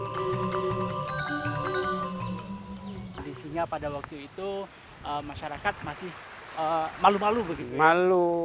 kondisinya pada waktu itu masyarakat masih malu malu begitu